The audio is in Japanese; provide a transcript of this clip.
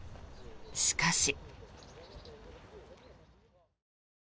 しかし。